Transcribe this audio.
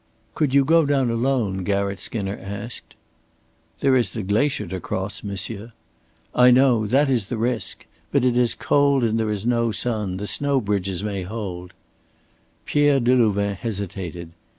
"Could you go down alone?" Garratt Skinner asked. "There is the glacier to cross, monsieur." "I know. That is the risk. But it is cold and there is no sun. The snow bridges may hold." Pierre Delouvain hesitated.